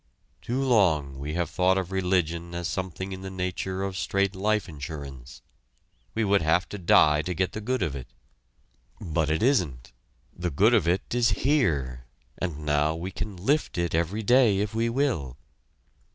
Too long we have thought of religion as something in the nature of straight life insurance we would have to die to get the good of it. But it isn't. The good of it is here, and now we can "lift" it every day if we will.